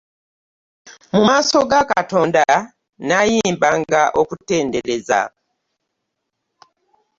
Mu maaso ga Katonda nnayimbanga okutendereza.